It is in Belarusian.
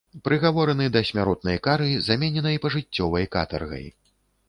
Прыгавораны да смяротнай кары, замененай пажыццёвай катаргай.